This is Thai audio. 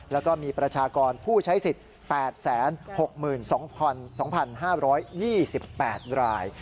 แล้วก็มีประชากรผู้ใช้สิทธิ์๘๖๒๒๕๒๘ราย